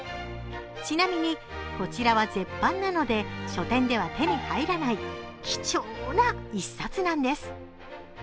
ちなみにこちらは絶版なので書店では手に入らない貴重な一冊なんです。